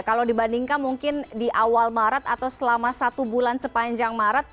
kalau dibandingkan mungkin di awal maret atau selama satu bulan sepanjang maret